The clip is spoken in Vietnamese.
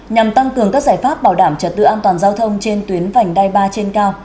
nhằm tăng cường các giải pháp bảo đảm trật tự an toàn giao thông trên tuyến vành đai ba trên cao